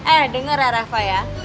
eh denger ya rafa ya